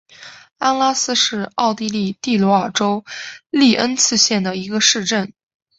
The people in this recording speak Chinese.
安拉斯是奥地利蒂罗尔州利恩茨县的一个市镇。